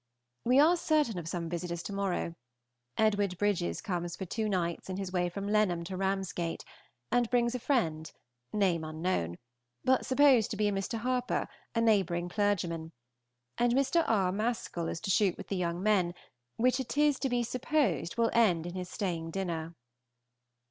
We are certain of some visitors to morrow. Edward Bridges comes for two nights in his way from Lenham to Ramsgate, and brings a friend name unknown but supposed to be a Mr. Harpur, a neighboring clergyman; and Mr. R. Mascall is to shoot with the young men, which it is to be supposed will end in his staying dinner.